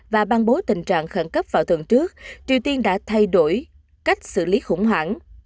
và ban bố tình trạng khẩn cấp vào tuần trước triều tiên đã thay đổi cách xử lý khủng hoảng